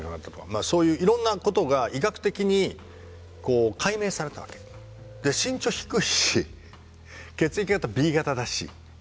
まあそういういろんなことが医学的に解明されたわけ。で身長低いし血液型Ｂ型だし。